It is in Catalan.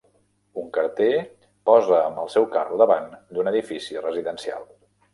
Un carter posa amb el seu carro davant d'un edifici residencial.